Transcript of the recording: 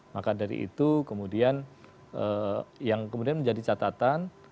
maka dari itu kemudian yang kemudian menjadi catatan